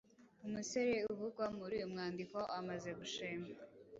Umusore uvugwa muri uyu mwandiko amaze gushima